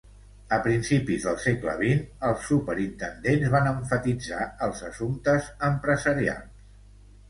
A principis del segle vint, els superintendents van emfatitzar els assumptes empresarials.